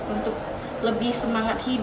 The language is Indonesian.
untuk lebih semangat hidup dan other